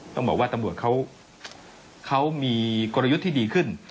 ต้องบอกว่าตำรวจเขามีกลยุทธ์ที่ดีขึ้น